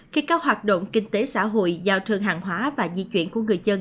khi các hoạt động kinh tế xã hội giao thương hàng hóa và di chuyển của người dân